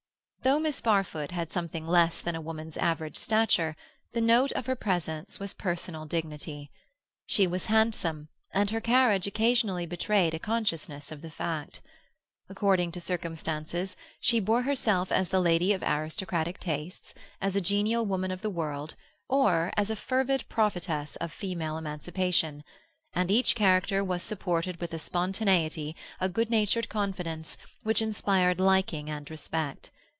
Though Miss Barfoot had something less than a woman's average stature, the note of her presence was personal dignity. She was handsome, and her carriage occasionally betrayed a consciousness of the fact. According to circumstances, she bore herself as the lady of aristocratic tastes, as a genial woman of the world, or as a fervid prophetess of female emancipation, and each character was supported with a spontaneity, a good natured confidence, which inspired liking and respect.